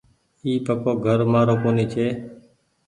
اي پڪو گهر مآرو ڪونيٚ ڇي ۔